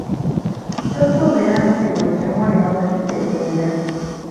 Tosuubira nti buli kimu olina okukitegeera.